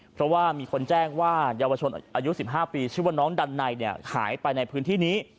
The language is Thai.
เพราะว่ามีคนแจ้งว่าเยาวชนอายุ๑๕ปีชื่อว่าน้องดันในหายไปในพื้นที่นี้